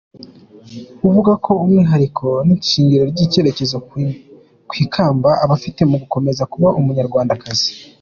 Avuga ko umwihariko n’ishingiro ry’icyizere ku ikamba abifite mu gukomeza kuba Umunyarwandakazi.